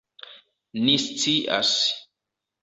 Ni scias!